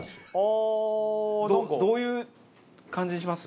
どういう感じにします？